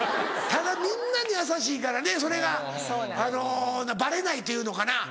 ただみんなに優しいからねそれがバレないというのかな。